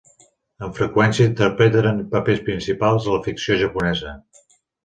Amb freqüència, interpreten papers principals a la ficció japonesa.